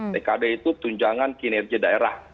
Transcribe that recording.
tkd itu tunjangan kinerja daerah